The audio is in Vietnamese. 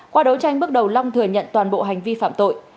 qua đấu tranh bước đầu long thừa nhận toàn bộ hành vi phạm tội